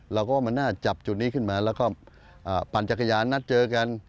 เราก็มาน่าจับจุดนี้ขึ้นมาแล้วก็ปั่นจักรยานนัดเจอกัน